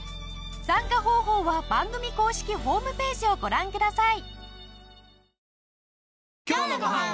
参加方法は番組公式ホームページをご覧ください。